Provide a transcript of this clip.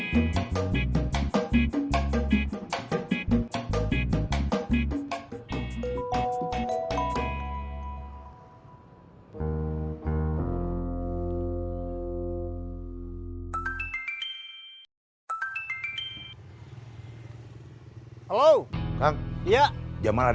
waduh keny balik